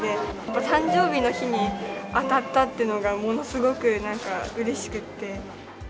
誕生日の日に当たったっていうのが、ものすごくなんか、うれしくって。